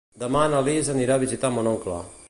Demà na Lis anirà a visitar mon oncle.